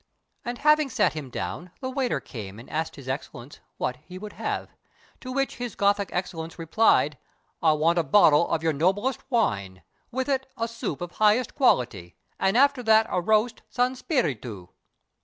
And having sat him down, the waiter came And asked His Excellence what he would have; To which his Gothic Excellence replied: "I want a bottle of your noblest wine, With it a soup of highest quality, And after that a roast San' Spirito!"